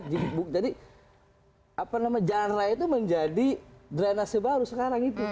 jadi jalan raya itu menjadi drenase baru sekarang itu